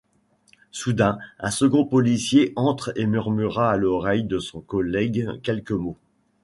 Soudain un second policier entre et murmure à l'oreille de son collègue quelques mots.